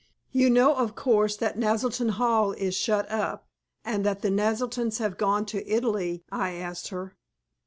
"You know, of course, that Naselton Hall is shut up and that the Naseltons have gone to Italy?" I asked her.